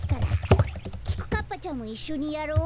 きくかっぱちゃんもいっしょにやろう。